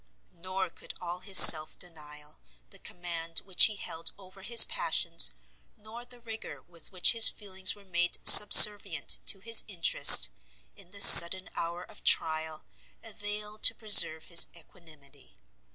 Nor could all his self denial, the command which he held over his passions, nor the rigour with which his feelings were made subservient to his interest, in this sudden hour of trial, avail to preserve his equanimity.